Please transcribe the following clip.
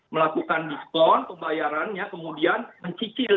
melakukan diskon pembayarannya kemudian mencicil